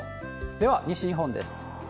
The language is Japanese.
では、西日本です。